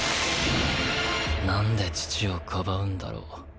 何で父をかばうんだろう。